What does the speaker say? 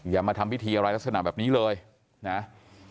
อย่ามาทำพิธีอะไรลักษณะแบบนี้เลยนะ